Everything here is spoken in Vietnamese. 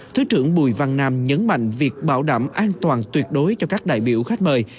thứ trưởng bùi văn nam nhấn mạnh việc bảo đảm an toàn tuyệt đối cho các đại biểu khách mời